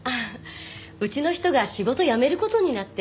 うちの人が仕事辞める事になって。